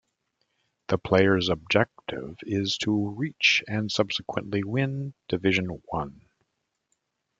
The player's objective is to reach, and subsequently win, division one.